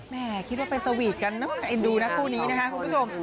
แม่คิดว่าไปสวีทกันเอ็นดูนะคู่นี้นะคะคุณผู้ชม